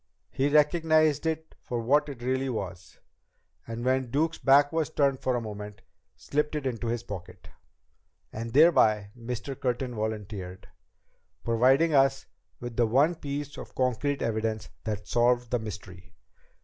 He recognized it for what it really was, and when Duke's back was turned for a moment, slipped it into his pocket." "And thereby," Mr. Curtin volunteered, "providing us with the one piece of concrete evidence that solved the mystery."